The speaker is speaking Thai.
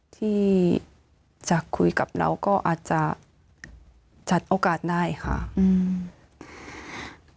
ที่จะคุยกับเราก็อาจจะจัดโอกาสได้ค่ะอืม